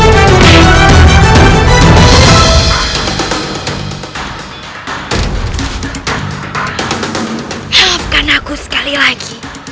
maafkan aku sekali lagi